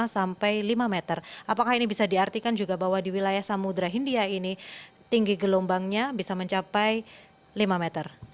sampai lima meter apakah ini bisa diartikan juga bahwa di wilayah samudera hindia ini tinggi gelombangnya bisa mencapai lima meter